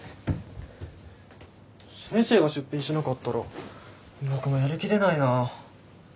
先生が出品しなかったら僕もやる気出ないなぁ。